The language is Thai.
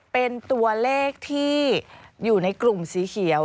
เป็นตัวเลขที่อยู่ในกลุ่มสีเขียว